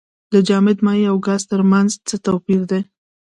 د جامد مایع او ګاز ترمنځ څه توپیر دی.